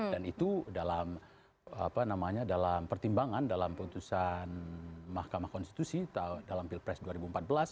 itu dalam pertimbangan dalam putusan mahkamah konstitusi dalam pilpres dua ribu empat belas